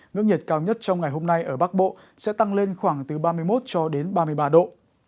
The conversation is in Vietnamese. nước nhiệt cao nhất trong ngày hôm nay ở bắc bộ sẽ tăng lên khoảng từ ba mươi một cho đến ba mươi ba độ